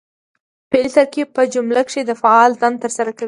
فعلي ترکیب په جمله کښي د فعل دنده ترسره کوي.